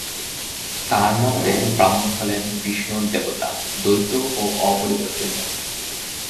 তাঁর মতে ব্রাহ্মণ হলেন বিষ্ণুর দেবতা, দ্বৈত এবং অপরিবর্তনীয়।